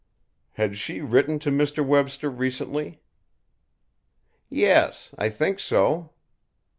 "Had she written to Mr. Webster recently?" "Yes; I think so."